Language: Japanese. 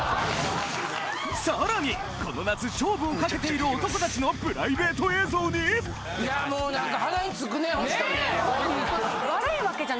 さらにこの夏勝負をかけている男たちのプライベート映像にいやもうなんか。